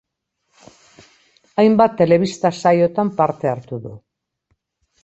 Hainbat telebista-saiotan parte hartu du.